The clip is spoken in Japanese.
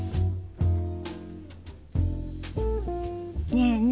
ねえねえ